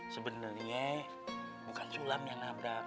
sebenarnya bukan sulam yang nabrak